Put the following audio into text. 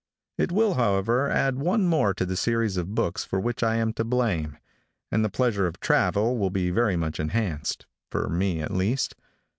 It will, however, add one more to the series of books for which I am to blame, and the pleasure of travel will be very much enhanced, for me, at least.